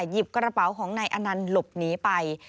หยิบกระเป๋าของนายอนันต์หลบหนีไป